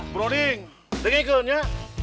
broding denginkan ya